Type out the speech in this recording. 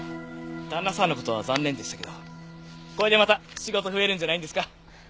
旦那さんの事は残念でしたけどこれでまた仕事増えるんじゃないんですか？